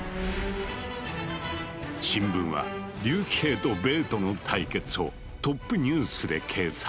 新聞は竜騎兵とベートの対決をトップニュースで掲載。